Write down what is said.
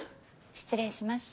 失礼しました。